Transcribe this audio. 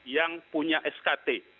yang punya skt